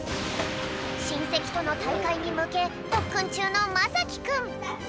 しんせきとのたいかいにむけとっくんちゅうのまさきくん。